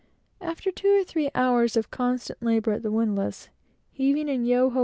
After two or three hours of constant labor at the windlass, heaving and "Yo ho!"